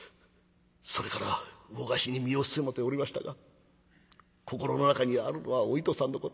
それから魚河岸に身を潜めておりましたが心の中にあるのはお糸さんのこと。